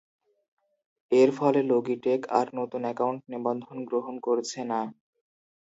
এর ফলে লগিটেক আর নতুন অ্যাকাউন্ট নিবন্ধন গ্রহণ করছে না।